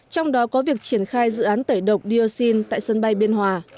trong đó có việc triển khai dự án tẩy độc dioxin tại sân bay biên hòa